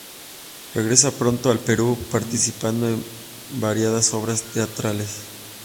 Regresa pronto al Perú, participando en variadas obras teatrales.